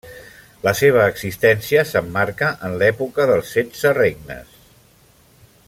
La seva existència s'emmarca en l'època dels Setze Regnes.